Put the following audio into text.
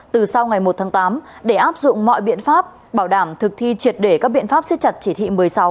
từ sau ngày một tháng tám để áp dụng mọi biện pháp bảo đảm thực thi triệt để các biện pháp siết chặt chỉ thị một mươi sáu